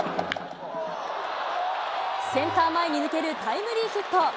センター前に抜けるタイムリーヒット。